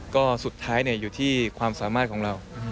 ก็สุดท้ายอยู่ที่ความสามารถของเรา